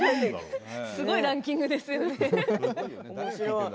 すごいランキングですよね。